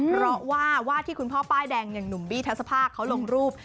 เพราะว่าว่าที่คุณพ่อป้ายแดงอย่างหนุ่มบี้ทัศภาคเขาลงรูป